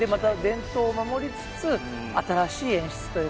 伝統を守りつつ新しい演出というか。